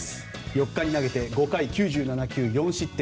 ４日に投げて５回９７球４失点。